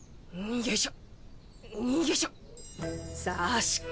よいしょ。